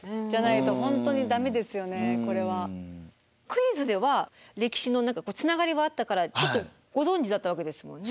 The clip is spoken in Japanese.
だからやっぱりクイズでは歴史のつながりはあったからちょっとご存じだったわけですもんね。